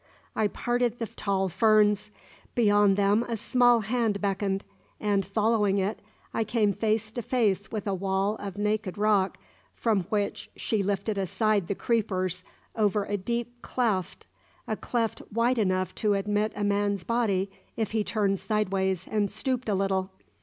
I parted the tall ferns. Beyond them a small hand beckoned, and, following it, I came face to face with a wall of naked rock from which she lifted aside the creepers over a deep cleft a cleft wide enough to admit a man's body if he turned sideways and stooped a little.